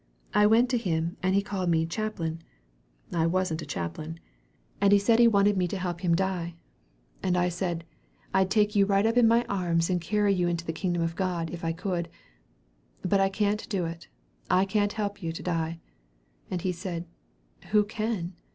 I went to him, and he called me 'chaplain,' I wasn't a chaplain, and he said he wanted me to help him die. And I said, 'I'd take you right up in my arms and carry you into the kingdom of God, if I could; but I can't do it; I can't help you to die.' "And he said, 'Who can?'